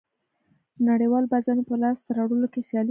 د نړیوالو بازارونو په لاسته راوړلو کې سیالي کېږي